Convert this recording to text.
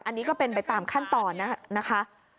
อันนี้ก็เป็นไปตามขั้นตอนนะคะ